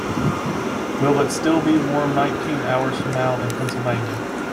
Will it still be warm nineteen hours from now in Pennsylvania